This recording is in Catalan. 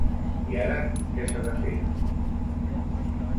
I ara què s’ha de fer?